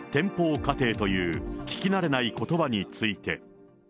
家庭という聞きなれないことばについて。